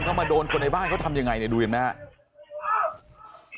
เขามาโดนคนในบ้านเขาทำยังไงดูเห็นไหมฮะ